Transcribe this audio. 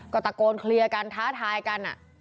ก็ตะโกนเคลียร์กันท้าทายกัน